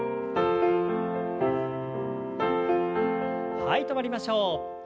はい止まりましょう。